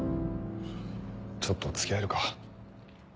ちょっと付き合えるか？